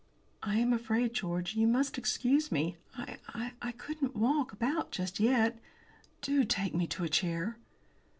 "I am afraid, George, you must excuse me. I I couldn't walk about just yet. Do take me to a chair!"